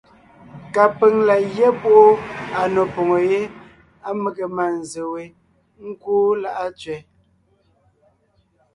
Kapʉ̀ŋ la gyɛ́ púʼu à nò poŋo yé á mege mânzse we ńkúu Láʼa Tsẅɛ.